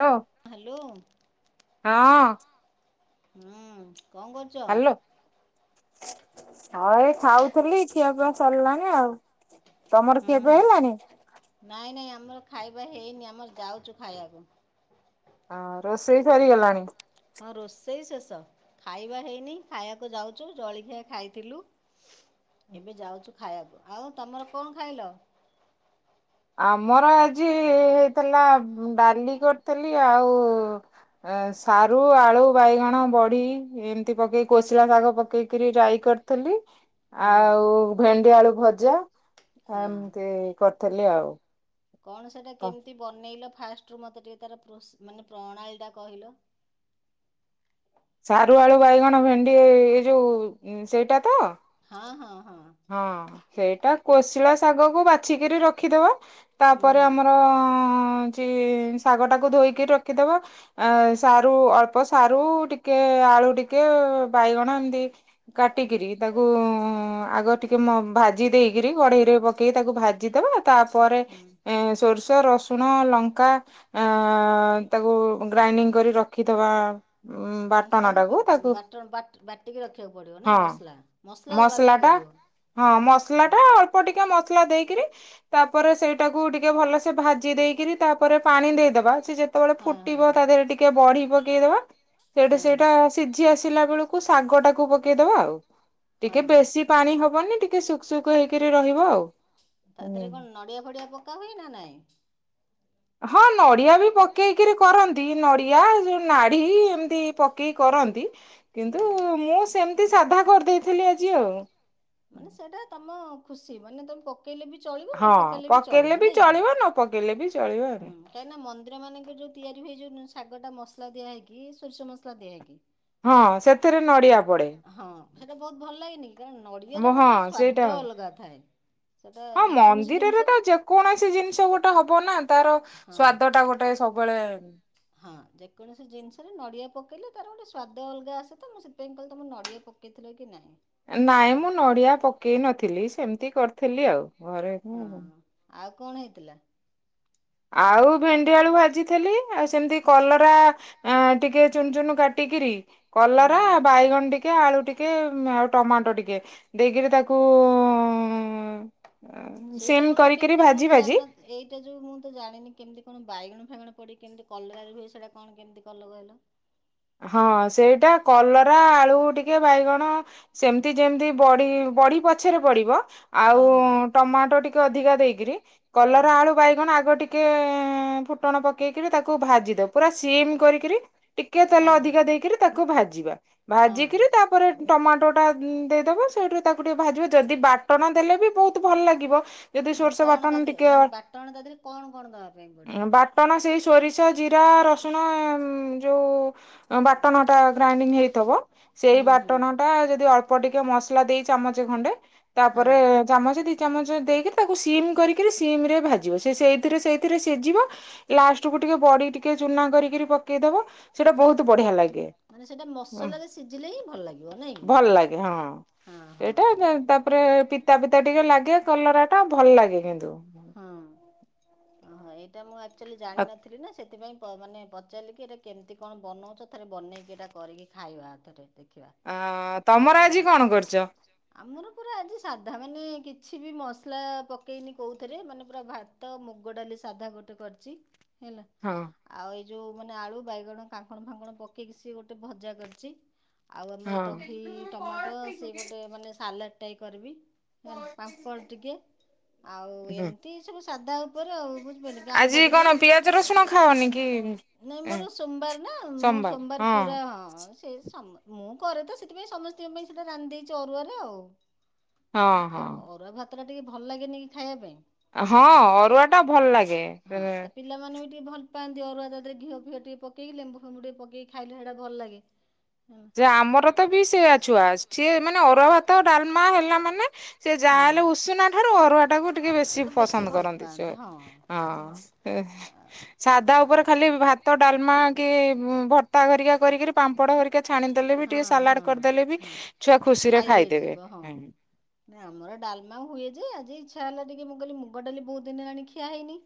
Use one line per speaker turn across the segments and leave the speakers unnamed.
[unintelligible]
Hello
ହଁ
ହୁଁ। କଣ କରୁଛ?
ହଉ ଏ ଖାଉଥିଲି ଖିଆପିଆ ସରିଲାଣି ଆଉ। ତମର
ହୁଁ ହୁଁ
ଖିଆପିଆ ହେଲାଣିି।
ନାଇଁ ନାଇଁ ଆମର ଖାଇବା ହେଇନି ଆମର ଯାଉଛୁ ଖାଇବାକୁ।
ହଁ ରୋଷେଇ ସରିଗଲାଣି।
ହଁ ରୋଷେଇ ଶେଷ ଖାଇବା ହେଇନି ଖାଇବାକୁ ଯାଉଛୁ ଜଳଖିଆ ଖାଇଥିଲୁ ଏବେ ଯାଉଛୁ ଖାଇବାକୁ ଆଉ ତମର କଣ ଖାଇଲ?
ଆମର ଆଜି ହେଇଥିଲା ଡାଲି କରିଥିଲି ଆଉ ସାରୁ ଆଳୁ ବାଇଗଣ ବଢି ଏମିତି ପକେଇକି କୋଶିଳା ଶାଗ ପକେଇକରି ରାଇ କରିଥିଲି।
ହୁଁ
ଆଉ ଭେଣ୍ଡି ଆଳୁ ଭଜା
ହଁ
ଏମିତି କରିଥିଲି। ଆଉ। [inaudible]
କଣ ସେଟା କେମିତି ବନେଇଲ? ଫାଷ୍ଟ ରୁ ମତେ ଟିକେ ତାର ପ୍ରୋସ୍ ମାନେ ପ୍ରଣାଳୀ ଟା କହିଲ।
ସାରୁ ଆଳୁ ବାଇଗଣ ଭେଣ୍ଡି ଏ ଯୋଉ ସେଇଟା ତ
ହଁ ହଁ।
ହଁ ସେଇଟା। କୋଶିଳ ଶାଗକୁ ବା ଚିକିଟି ରଖିଦବ
ହୁଁ।
ତାପରେ ଆମର ଶାଗ ଟାକୁ ଧୋଇକି ରଖିଦବା ଆ ସାରୁ ଅଳ୍ପ ସାରୁ ଟିକେ ଆଳୁ ଟିକେ ବାଇଗଣ ଏମିତି କାଟିକିରି ତାକୁ ଆଗ ଭ [unintelligible] ଭାଜି ଦେଇକରି କଢେଇରେ ପକେଇ ତାକୁ ଭାଜିଦବା ତାପରେ ସୋରିଷ ରସୁଣ ଲଙ୍କା ତାକୁ ଗ୍ରାଇଣ୍ଡିଙ୍ଗ କରି ରଖିଦବା
ମାନେ
ବାଟଣ
ସେଟାକୁ
ଟାକୁ
ପି-
ତାକୁ
ବାଟ ବାଟ- ବାଟିକି ରଖିବାକୁ ପଡ଼ିବ ନା
ହଁ
ମସଲା ଦେବା
ମସଲା
ପାଇଁ
ଟା
ପଡ଼ିବ
ମସଲା ଟା
ହଁ
ଅଳ୍ପ ଟିକେ ମସଲା ଦେଇକିରି ତାପରେ ସେଇଟାକୁ ଟିକେ ଭଲସେ ଭାଜି ଦେଇକରି ତାପରେ ପାଣି ଦେଇଦବା। ଯେତେବେଳେ
ହଁ ହଁ
ଫୁଟିବ ତା ଦେହରେ ଟିକେ ବଢି ପକେଇ ଦବା। ସେଠୁ
ହଁ
ସେଇଟା ସିଝି ଆସିଲା ବେଳକୁ କୁ ଶାଗ ଟାକୁ ପକେଇଦବା ଆଉ।
ହଁ
ଟିକେ
ହଁ
ବେଶୀ ପାଣି ହବ। ଟିକେ ସୁଖ ସୁୁଖ ହେଇକି ରହିବ ଆଉ।
ତା
ହୁଁ।
ଦେହରେ କଣ ନଡିଆ ଫଡିଆ ପକା ହୁଏ ନା ନାଇଁ।
ହଁ ନଡିଆ ବି ପକେଇକିରି କରନ୍ତି ନଡିଆ ଯୋଉ ନାଢି ଏମିତି ପକେଇ କରନ୍ତି। କିନ୍ତୁ
ହୁଁ।
ମୁଁ ସେମତି ଏମତି ସାଧା କରିଦେଇଥିଲି ଆଜି ଆଉ।
ମାନେ ସେଇଟା ତମ ଖୁସି ମାନେ ତମେ ପକେଇଲେ ବି ଚଳିବ ନ
ହଁ
ପକେଇଲେ ବି ଚଳିବ ନାଇଁଁ
ନ ପକେଇଲେ ବି ଚଳିବ ଆଉ।
କାହିଁ ନା ମନ୍ଦିର ମାନଙ୍କ ଯୋଉ ତିଆରି ହୁଏ ଗୋଟା ମସଲା ଦିଆ ହେଇକି ସୋରିଷ ମସଲା ଦିଆ ହେଇକି।
ହଁ
ହେଲା
ସେଥିରେ ନଡିଆ ପଡେ।
ହଁ ସେଇଟା ବହୁତ ଭଲ ଲାଗେନି କାରଣ ନଡ଼ିଆର
ମୁଁ ହଁ
ଗୋଟେ
ସେଇଟା
ସ୍ଵାଦ ଅଲଗା ଥାଏ ସେଟା
ହଁ
ଯେକୌଣସି
ମନ୍ଦିରରେ ତ
ଜିନିଷରେ
ଯେକୌଣସି ଜିନିଷ ଗୋଟେ ହବ ନା
[unintelligible]
ତାର
ହଁ
ସ୍ଵାଦ ଟା ଗୋଟେ ସବୁବେଳେ।
ହଁ ଯେକୌଣସି ଜିନିଷରେ ନଡ଼ିଆ ପକେଇଲେ ତାର ଗୋଟେ ସୁସ୍ୱାଦ ଅଲଗା ଆସେ ତ ମୁଁ ସେଥିପାଇଁ କହିଲି ତମ ନଡ଼ିଆ ପକେଇଥିଲ କି ନାହିଁ। ହଁ।
ତି କରିଥିଲି ଆଉ। ଘରେ ହୁଁ।
ହଁ ଆଉ କଣ ହେଇଥିଲା?
ଆଉ ଭେଣ୍ଡି ଆଳୁ ଭାଜିଥିଲି ଆଉ ସେମିତି କଲରା ଅ ଟିକେ ଚୁନୁ ଚୁନୁ କାଟିକିରି।
ହୁଁ।
କଲରା ବାଇଗଣ ଟିକେ ଆଳୁ ଟିକେ ଉ ଆଉ ଟମାଟୋ ଟିକେ ଦେଇକିରି ତାକୁ ଉଁ
ସେଇଟା ଗୋଟେ କେମିତି ମୁଁ ତ ଜାଣିନଥିଲି। ଏଇଟା ଯୋଉ ମୁଁ ତ ଜାଣିନି। କେମିତି କଣ ବାଇଗଣ ଫାଇାଗଣ ପଡି କେମିତି କଲରାରେ ହୁଏ। ସେଇଟା କଣ କେମିତି କହିଲ।
ହଁ ସେଇଟା କଲରା ଆଳୁ ବାଇଗଣ ସେମତି ଯେମତି ବଡ଼ି ବଡ଼ି ପଛରେ ପଡିବ। ଆଉ
ହଁ ହଁ।
ଟମାଟ ଅଧିକ ଦେଇକିରି
ହଁ
କଲରା ଆଳୁ ବାଇଗଣ ଆଗ ଟିକେ ଫୁଟଣ ପକେଇକିରି ତାକୁ ଭାଜି ଦଉ, ପୁରା ସିମ କରିକିରି ଟିକେ ତେଲ
ହଁ
ଅଧିକା ଦେଇକିରି ତାକୁ ଭାଜିବା
ହଁ
ଭାଜିକିରି ତାପରେ ଟମାଟୋ ଟା ଦେଇଦେବ ସେଇଠୁ ତାକୁ ଟିକେ ଭାଜିବ। ଯଦି ବାଟଣ ଦେଲେ ବି ବହୁତ ଭଲ ଲାଗିବ। ଯଦି
ମାନେ
ସୋରିଷ
କଣ ତା
ବାଟଣ ଟିକେ
ଦେହରେ ମାନେ ବାଟଣ ତା ଦେହରେ କଣ କଣ ଦେବା ପାଇଁ ପଡ଼ିବ?
ବାଟଣ ସେଇ ସୋରିଷ ଜିରା ରସୁଣ ଯୋଉ ବାଟଣ ଟା ଗ୍ରାଇଣ୍ଡିଙ୍ଗ ହେଇଥିବ। ସେଇ
ହୁଁ ହୁଁ
ବାଟଣ ଟା ଜେଦି ଅଳ୍ପ ଟିକେ ମସଲା ଦି ଚାମଚ ଖଣ୍ଡେ ତା
ହଁ
ପରେ ଚାମଚେ ଦି ଚାମଚେ ଦେଇକି ତାକୁ ସିମ୍ କରିକିରୀ ସିମରେ ଭାଜିବ। ସେ ସେଇ ସେଇଥିରେ ସେଇଥିରେ ସିଝିବ। ଲାଷ୍ଟ କୁ ଟିକେ ବଡି ଟିକେ ଚୁନା କରିକିରି ପକେଇଦବ। ସେଇଟା ବହୁତ ବଢିଆ ଲାଗେ
ମାନେ ସେଇଟା
ଉଁ
ମସଲାରେ ସିଝିଲେ ହିଁ ଭଲ ଲାଗିବ ନାଇଁ କି
ଭଲ ଲାଗେ ହଁ।
ହଁ ହଁ
ଏଇଟା
ହଁ।
ତାପରେ ପିତା ପିତା ଟିକେ ଲାଗେ କଲରା ଟା ଭଲ ଲାଗେ କିନ୍ତୁ
ହଁ ଓହୋ ଏଇଟା ମୁଁ ଆ ମୁଁ ଜାଣିନଥିଲି ନା ସେ ସେଥିପାଇଁ ପ ମାନେ ପଚାରିଲିକି ଏଇଟା କେମିତି କଣ ବନଉଛ। ଥରେ ବନେଇକି ଏଟା କରିକି ଖାଇବା ଥରେ। ଦେଖିବା।
ଅ ତମର
ଆବ
ଆଜି କଣ କରୁଚ?
ଆମର ପୁରା ଆଜି ସାଧା। ମାନେ କିଛି ବି ମସଲା ପକେଇନି କହୁ ଥିରେ ମାନେ ପୁରା ଭାତ ମୁଗ ଡାଲି ସାଧା ଗୋଟେ କରିଛି। ହେଲା
ହଁ
ଆଉ ଏଇ ଯୋଉ ମାନେ ଆଳୁ ବାଇଗଣ କାଙ୍କଣ ଫାଙ୍କଣ ପକେଇକି ସିଏ ଗୋଟେ ଭଜା କରିଛି। ଆଉ ଆମର
ହଁ
ଦହି ଟମାଟୋ ସେ ଗୋଟେ ମାନେ ସାଲାଟ୍। ଏ କରିବି। ହେଲା ପାମ୍ପଡ଼ ଟିକେ ଆଉ
ହୁଁ
ଏମିତି ସବୁ ସାଧା ଉପରେ ଆଉୁ କି
ଆଜି
ଆମ୍ବ ଟିକେ
କଣ ପିଆଜ ରସୁଣ ଖାଅନି କି?
ନାଇ
ଏ
ମୋର ସୋମବାର ନା ମୁଁ ସୋମବାର ପୁରା ହଁ ସେ- ମୁଁ କରେ ତ ସେଥିପାଇଁ ସମସ୍ତିଙ୍କ ପାଇଁ ସେଇଟା ରାନ୍ଧିଦେଇଛି ଅରୁଆରେ ଆଉ। କାଇ
ହଁ
କିନା ଅରୁଆ
ହଁ
ଭାତ। ଭାତ ଟା ଟିକେ ଭଲ ଲାଗେନି କି ଖାଇବା ପାଇଁ।
ହଁ
ହୁଁ
ଅରୁଆ ଟା ଭଲ ଲାଗେ।
ହଁ ତା ପିଲାମାନେ ବି ଟିକେ ଭଲ ପାଆନ୍ତି ଅରୁଆ ସାଥିରେ ଘିଅ ଫିଅ ଟିକେ ପକେଇଲେ ଲେମ୍ବୁ ଫେବୁ ବୁ ଟିକେ ପକଇ ଖାଇଲେ ସେଇଟା ଭଲ ଲାଗେ। ହେଲା
ଯେ ଆମର ତ ବି ସେଇୟା ଛୁଆ ସିଏ ମାନେ ଅରୁଆ ଭାତ ଡାଲମା। ମା ହେଲା ମାନେ। ସେ
ହଁ।
ଯାହାହଲେ ଉଷୁନା ଠାରୁ ଅରୁଆ ଟାକୁ ଟିକେ ବେଶୀ
ତାକୁ
ପସନ୍ଦ
ଭଲ
କରନ୍ତି। ସେ
ପାଆନ୍ତି ହଁ।
ହଁ ସାଧା ଉପରେ ଖାଲି ଭାତ
ତ
ଡାଲମା କି। ଭତ୍ତା ଘରିକା କରିକିରି ପାମ୍ପଡ ଘରକୁ।
ହଁ ହଁ ହଁ
ଛୁଆ ଖୁସିରେ
ଖାଇ
ଖାଇଦେବେ।
ହେଇଯିବ ହଁ ଆମର ଡାଲମା ହୁଏ ଯେ ଆଜି। ଇଚ୍ଛା ହେଲା ଟିକ ମୁଁ କହିଲ ମୁଗ ଡାଲି ବହୁତ ହିନ୍ ହେଲାଣି ଖିଆ ହେଇନି।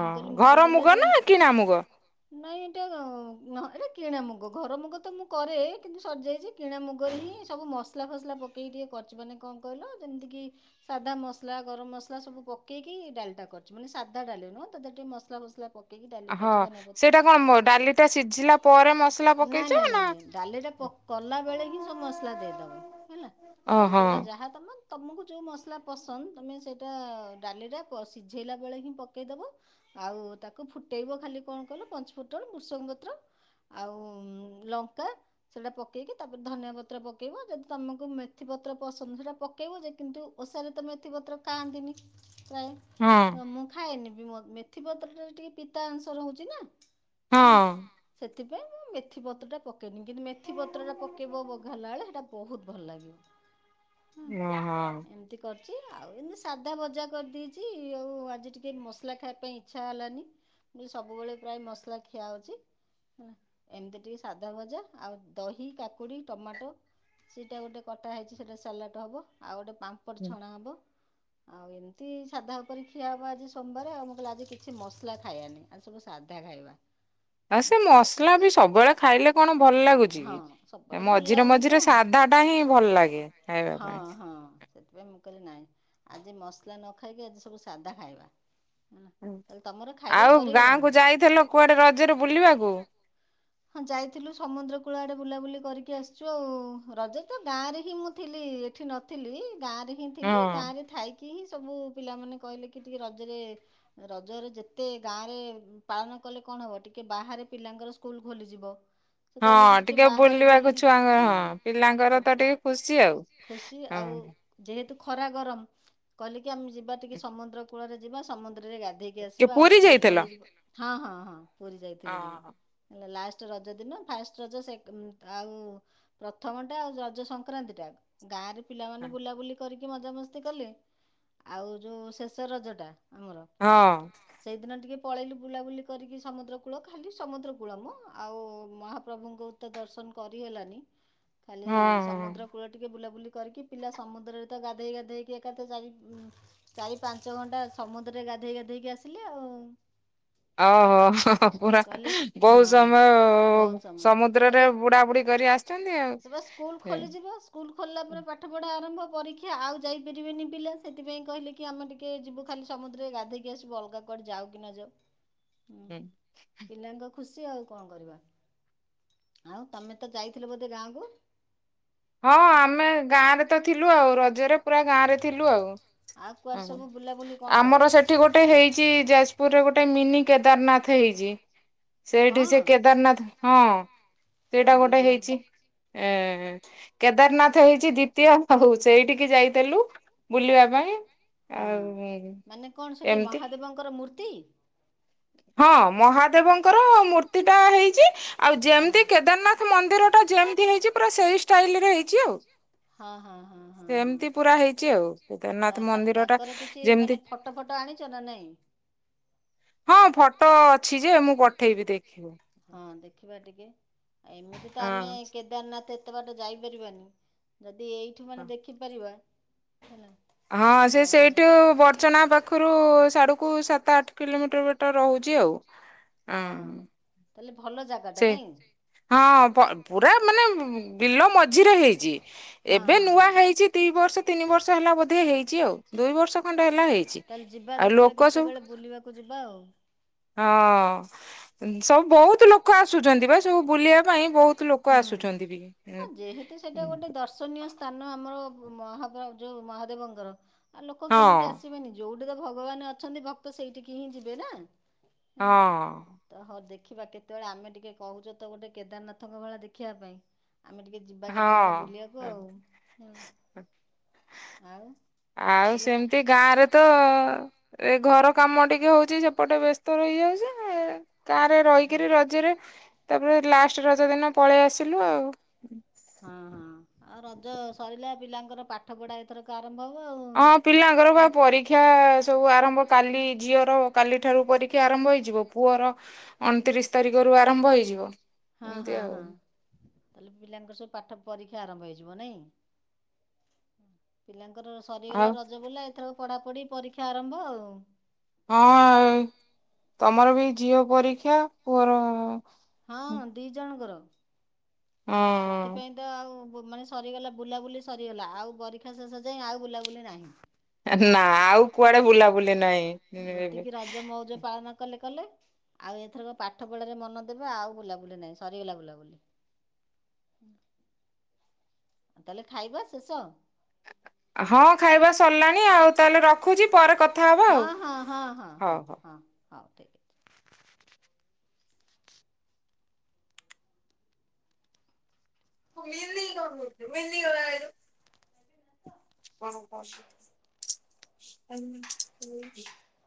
ମୁଁ କହିଲି
ଘର
ମୁଗ ଡାଲି
ନା କିଣା ମୁଗ?
ଟିକେ- ଏଟା କିଣା ମୁଗ ଘର ମୁଗ ତ ନୁହଁ। କରେ କିନ୍ତୁ ସରିଯାଇଛି କିଣା ମୁଗରେ ହିଁ ସବୁ ମସଲା ଫସଲା ପକେଇ ଟିକେ କରିଚି୍ ମାନେ କଣ କହିଲ ଯେମିତିକି ସାଧା ମସଲା, ଗରମ ମସଲା ସବୁ ପକେଇକି ଡାଲିଟା କରିଛି ମାନେ ସାଧା ଡାଲି ନୁହଁତ ତାର ଟିକେ ମସଲା ଫସଲା ପକେଇକି ଡାଲି
ହଁ
କରିଛି ଧନିଆ ପତ୍ର
ସେଇଟା କଣ
ଦେଇକି
ଡାଲିଟା ସିଝିଲା ପରେ ମସଲା
ନାଇଁ
ପକେଇଛ
ନାଇଁ ନାଇଁ
ନା।
ନାଇଁ ଡାଲିଟା କଲା ବେଳେ ହିଁ ସବୁ ମସଲା ଦେଇଦବ ହେଲା
ଓହୋ
ସବୁ ପ୍ରକାର ଯାହା ତମ ତୁମକୁ ଯେଉଁ ମସଲା ପସନ୍ଦ ତୁମେ ସେଇଟା ଡାଲିରେ ସିଝେଇଲା ବେଳେ ହିଁ ପକେଇଦବ ଆଉ ତାକୁ ଫୁଟେଇବ ଖାଲି କଣ କଲ ପଞ୍ଚ ଫୁଟଣ ବୃସଙ୍ଗ ପତ୍ର ଆଉ ଲ ସେଟା ପକେଇକି ତାପରେ ଧନିଆ ପତ୍ର ପକେଇବ ଯଦି ତମକୁ ମେଥି ପତ୍ର ପସନ୍ଦ ସେଟା ପକେଇବ ଯେ କିନ୍ତୁ ଓଷାରେ ତ ମେଥି ପତ୍ର ଖାଆନ୍ତିନି।
ହଁ
ନାଇ ମୁଁ ଖାଏନି। ମେଥିପତ୍ରରେ ଟିକେ ପିତା ଅଂଶ ରହୁଛି ନା। ହେଲା
ହଁ।
ସେଥିପାଇଁ ମୁଁ ମେଥି ପତ୍ରଟା ପକ- ପକେଇନି କିନ୍ତୁ ମେଥି ପତ୍ର ଟା ପକେଇବ ବଘାରିଲା ବେଳେ ସେଟା ବହୁତ ଭଲ ଲାଗିବ। ହୁଁ ଏମିତି କର। ଆଉ ଏମତି ସାଧା ବଜା କରିଦେଇଛି। ଆଉ ଆଜି ଟିକେ ମସଲା ଖାଇବା ପାଇଁ ଇଚ୍ଛା ହେଲାନି ସବୁବେଳେ ପ୍ରାୟ ମସଲା ଖିଆ ହୋଉଛି। ଏମିତି ଟିକେ ସାଧା- ଅଦା ଭଜା ଆଉ ଦହି, କାକୁଡ଼ି, ଟମାଟୋ ସେଇଟା ଗୋଟେ କଟା ହେଇଛି ସେଇଟା ସାଲାଡ଼ ହବ ଆଉ ଗୋଟେ- ପାମ୍ପଡ଼ ଛଣା ହବ। ଆଉ ଏମିତି ସାଧା ଉପରେ ଖିଆ ହବା ଆଜି ସୋମବାର ଆଉ କହିଲେ ଆଜି କିଛି ମସଲା ଖାଇବାନି ଆଜି ସବୁ ସାଧା ଖାଇବା।
ଆ ସେ
ଆଉ
ମସଲା ବି ସବୁବେଳେ ଖା- ଖାଇଲେ କଣ ଭଲ ଲାଗୁଚି
ହଁ
କି
ସବୁବେଳେ ଭଲ
ମଝିରେ
ଲାଗୁନି ତ।
ମଝିରେ ସାଧା ଟା ହିଁ ଭଲ ଲାଗେ ଖାଇବା
ହଁ ହଁ
ପାଇଁ।
ସେଥିପାଇଁ ମୁଁ କହିଲି ନାଇଁ ଆଜି ମସଲା ନ ଖାଇକି ଆଜି ସବୁ ସାଧା ଖାଇବା। ହେଲା। ତାହେଲେ ତମର ଖାଇବା
ଆଉ
ସରିଗଲାଣି?
ଗାଁକୁ ଯାଇଥିଲୁ କୁଆଡ଼େ ରଜରେ ବୁଲିବାକୁ।
ହଁ ଯାଇଥିଲୁ ସମୁଦ୍ର କୂଳ ଆଡ଼େ ବୁଲାବୁଲି କରିକି ଆସିଛୁ ଆଉ ରଜ ତ ଗାଁରେ ହିଁ ମୁଁ ଥିଲି ଏଠି ନଥିଲି। ଗାଁ ରେ ହିଁ
ହଁ
ଥିଲି ଗାଁ ରେ ଥାଇକି ହିଁ ସବୁ ପିଲାମାନେ କହିଲେ କି ଟିକେ ରଜରେ ରଜରେ ଯେତେ ଗାଁ ରେ ପାଳନ କଲେ କଣ ହବ ଟିକେ ବାହାରେ ପିଲାଙ୍କର ସ୍କୁଲ ଖୋଲିଯିବ। ସେ
ହଁ
କହିଲେ କି
ଟିକେ
ବାହାରେ
ବୁଲିବାକୁ
ବୁଲି
ଛୁଆଙ୍କର ହଁ ପିଲାଙ୍କର ତ
ସେଠି
ଟିକେ ଖୁସି ଆଉ
ଖୁସି
ହଁ।
ଆଉ ଯେହେତୁ ଖରା ଗରମ କହିକି ଆମେ ଯିବା ଟିକେ ସମୁଦ୍ର କୂଳରେ ଯିବା ସମୁ ରେ ଗାଧେଇକି
କି
ଆସିବା ଆଉ
ପୁରୀ
ସ୍କୁଲ
ଯାଇଥିଲ?
ଖୋଲି ହଁ ହଁ ହଁ। ପୁରୀ ଯାଇଥିଲୁ
ହଁ।
ଟିକେ। ଲାଷ୍ଟ ରଜ ଦିନ ଫାଷ୍ଟ ରଜ ସେ ଆଉ ପ୍ରଥମଟା ଆଉ ରଜ ସଂକ୍ରାନ୍ତି ଟା ଗାଁରେ ପିଲାମାନେ ବୁଲାବୁଲି କରିକି ମଜାମସ୍ତି କଲି ଆଉ ଯୋଉ ଶେଷ ରଜ ଟା
ହଁ।
ପଳେଇଲୁ ବୁଲାବୁଲି କରିକି ସମୁଦ୍ର କୂଳ ଖାଲି ସମୁଦ କୁଳମ ଆଉ ମହାପ୍ରଭୁଙ୍କୁ ତ ଦର୍ଶନ କରିହେଲାନି ଖାଲି
ହଁ
ସମୁଦ୍ର କୂଳ ଟିକେ ବୁଲାବୁଲି କରିକି ପିଲା ସମୁଦ୍ରରେ ତ ଗାଧେଇ ଗାଧେଇକି ଏକାଥ ଚାରି ଚାରି ପାଞ୍ଚ ଘଣ୍ଟା ସମୁଦ୍ରରେ ଗାଧେଇ ଗାଧେଇକି ଆସିଲେ ଆଉ।
ଓହୋ ହୋ ପୁରୁର
ହୁଁ। କଲେଜ ହଁ
ବହୁ ସମୟ
ବହୁତ ସମୟ
ସମୁଦ୍ରରେ
କଲେ
ବୁଢା ବୁଢି କରି ଆସିଛନ୍ତି ଆଉ।
ସେ ବା ସ୍କୁଲ ଖୋଲିଯିବ ସ୍କୁଲ ଖୋଲିଲା ପରେ ପାଠ ପଢ଼ା ଆରମ୍ଭ ପରୀକ୍ଷା ଆଉ ଯାଇପାରିବେନି ପିଲା ସେଥିପାଇଁ କହିଲେ କି ଆମେ ଟିକେ ଯିବୁ ଖାଲି ସମୁଦ୍ରରେ ଗାଧେଇକି ଆସିବୁ ଅଲଗା କଆଡେ ଯାଉ କି ନ ଯାଉ।
ହୁଁ।
ପିଲାଙ୍କ ଖୁସି ଆଉ କଣ କରିବା ଆଉ ତମେ ତ ଯାଇଥିଲ ବୋଧେ ଗାଁ କୁ
ହଁ ଆମେ ଗାଁରେ ତ ଥିଲୁ ଆଉ ରଜରେ ପୁରା ଗାଁ ରେ ଥିଲୁ
କୁଆଡ଼େ
ଆଉ।
ସବୁ ବୁଲାବୁଲି କଣ କଲ
ଆମର ସେଠି ଗୋଟେ ହେଇଛି ଯାଜପୁରରେ ଗୋଟେ ଗୋଟେ ମିନି କେଦାରନାଥ ହେଇଛି।
ହଁ
ସେଇଠି ସେ କେଦାରନାଥ ହଁ ସେଇଟା
ଓହୋ
ଗୋଟେ
ହଁ
ହେଇଛି ଏ ହଁ କେଦାରନାଥ ହେଇଛି ଦ୍ଵିତୀୟ ହଉଛି ପାଇଁ। ଆଉ
ହଁ ମାନେ କଣ ସେଠି
ଏମିତି
ମହାଦେବଙ୍କର ମୂର୍ତ୍ତି?
ହଁ ମହାଦେବଙ୍କର ମୂର୍ତ୍ତି ଟା ହେଇଛି ଆଉ ଯେମିତି କେଦାରନାଥ ମନ୍ଦିର ଟା ଯେମ ହେଇଛି ପୁରା ସେଇ ଷ୍ଟାଇଲ ରେ ହେଇଛି ଆଉ।
ହଁ ହଁ ହଁ ହଁ
ସେମିତି
ହଁ
ପୁରା ହେଇଛି ଆଉ କେଦାରନାଥ ମନ୍ଦିର ଟା
ତାଙ୍କର କିଛି
ଯେମିତି
ମାନେ ଫଟୋ ଫଟ ଆଣିଛ ନା ନାଇଁ।
ହଁ ଫଟୋ ଅଛି ଯେ ମୁଁ ପଠେଇବି ଦେଖିବ।
ହଁ ଦେଖି ବା ଟିକେ। ଏମିତି ତ ଆମେ
ହଁ।
କେଦାରନାଥ ଏତେ ଏତେ ବାଟ ଯାଇପାରିବାନି ଯଦି ଦି ଏଇଠୁ ମାନେ ଦେଖିପାରିବା। ହେଲା
ହଁ ସେ
ଆଉ
ସେଇଠୁ ବଡଚନା ପାଖରୁ ସାଢୁ କୁ ସାତ ଆଠ କିଲୋମିଟର ବାଟ ରହୁଛି ଆଉ।
ହଁ। ତାହେଲେ ଭଲ ଜାଗା ଟା ନାଇଁ?
ଅ ପୁରା ମାନେ ବିଲ ମ ମଝିରେ ହେଇଛି
ହଁ
ଏବେ
ହଁ
ନୂଆ
ହଁ।
ହେଇଛି ଦି ବର୍ଷ ତିନି ବର୍ଷ ହେଲା ବୋଧେ ହେଇଛି ଆଉ ଦୁଇ ବର୍ଷ ଖଣ୍ଡେ ହେଲା ହେଇଛି
ତାହେଲେ ଯିବା
ଆଉ
ଦେଖିବା
ଲୋକ ସବୁ।
କେତେବେଳେ ବୁଲିବାକୁ ଯିବା ଆଉ।
ହଁ ସବୁ ବହୁତ ଲୋକ କ ଆସୁଛନ୍ତି ବା ସବୁ ବୁଲିବା ପାଇଁ ବହୁତ ଲୋକ ଆସୁଛନ୍ତି ବି।
ହୁଁ ଯେହେତୁ ସେଇଟା ଗୋଟେ ଦର୍ଶନୀୟ ସ୍ଥାନ ଆମର ମହାଦେବ ଯୋଉ ମହାଦେବଙ୍କର। ଆଉ ଲୋକ କେମିତି
ହଁ
ଆସିବେନି ଯୋଉଠି। ଯୋଉଟି ତ ଭଗବାନ ଅଛନ୍ତି ଭକ୍ତ ସେଇଠିକି ହିଁ ଯିବେ ନା। ହେଲା
ହଁ
ତ ହଉ ଦେଖ। ଦେଖିବା କେତେବେଳେ ଆମେ ଟିକେ କହୁଛ ତ ଗୋଟେ କେଦାରନାଥ। ଙ୍କ ଭଳିଆ ଦେଖିବା ପାଇଁ। ଯିବା
ହଁ
କେତେବେଳେ ବୁଲିବାକୁ ଆଉ ହେଲା ଆଉ
ଆଉ
ତାହେଲେ
ସେମିତି ଗାଁରେ ତ। ଘର କାମ ଟିକେ ହଉଛି ସେପଟେ ବ୍ୟସ୍ତ ରହିଯାଉଛି। ଗାଁ ରେ ରହିକିରି ରଜରେ ତାପରେ ଲାଷ୍ଟ। ଲାଷ୍ଟ ରଜ ଦିନ ପଳେଇ ଆସିଲୁ ଆଉ।
ହଁ ହଁ ଆଉ ରଜ ସରିଲା ପିଲାଙ୍କର ପାଠ ପଢା ଏଥର କ ଆ
ହଁ ପିଲାଙ୍କର ବା ପରୀକ୍ଷା ସବୁ ଆରମ୍ଭ। କାଲି ଝିଅର କାଲି ଠାରୁ ପରୀକ୍ଷା ଆରମ୍ଭ ହେଇଯିବ ପୁଅର ଅଣତିରିଶ ତାରିଖରୁ ଆରମ୍ଭ ହେଇଯିବ।
ହଁ ହଁ
ଏମିତି ଆଉ।
ହଁ ତାହେଲେ ପିଲାଙ୍କର ସବୁ। ପାଠ ପରୀକ୍ଷା ଆରମ୍ଭ ହେଇଯିବ ନାଇଁ ପିଲା। ତାଙ୍କର ସରିଗଲା
ଆଉ
ରଜ ବୁଲା। ଏଥର ପଢାପଢି ପରୀକ୍ଷା ଆରମ୍ଭ ଆଉ।
ହଁ ତମର ବି ଝିଅ ପରୀକ୍ଷା ପୁଅର।
ହଁ ଦି ଜଣଙ୍କର ସେଥିପାଇଁ ତ ଆଉ ମାନେ ସରିଗଲା ବୁଲାବୁଲି ସରିଗଲା ଆଉ ପରୀକ୍ଷା ଶେଷ ଯାଇଁ ଆଉ ବୁଲାବୁଲି ନାହିଁ।
ନା ଆଉ କୁଆଡେ ବୁଲାବୁଲି ନାଇଁ [inaudible]
ହେଲେ ଆଉ ଏଥର ପାଠ ପଢାରେ ମନ ଦେବେ ଆଉ ବୁଲାବୁଲି ନାଇଁ ସରିଗଲା ବୁଲାବୁଲି। ତାହେଲେ ଖାଇବା ଶେଷ।
ହଁ ଖାଇବା ସରିଲାଣି ଆଉ ତାହେଲେ ରଖୁଚି ପରେ କଥା ହବା ଆଉ
ହଁ ହଁ ହଁ ହଁ
ହଉ ହଉ।
ହଁ ହଁ ହଉ ଠିକ୍ ଅଛି।
ତୁ ମିନି କଣ କରୁଚୁ ମିନି। [unintelligible] କଣ [inaudible]